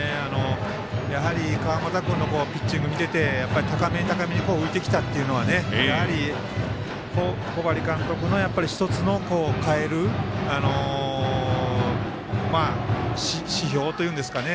やはり川又君のピッチング見てて高め高めに浮いてきたというのは小針監督の１つの代える指標というんですかね。